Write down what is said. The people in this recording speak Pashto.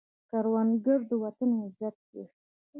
کروندګر د وطن عزت دی